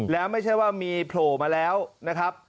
แล้วไม่ใช่ว่ามีโผล่มาแล้วนะครับ